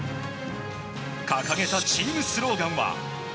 掲げたチームスローガンは。